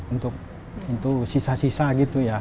untuk tentu sisa sisa gitu ya